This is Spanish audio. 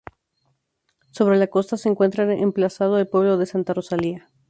Sobre la costa se encuentra emplazado el pueblo de Santa Rosalía.